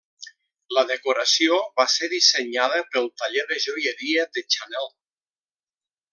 La decoració va ser dissenyada pel taller de joieria de Chanel.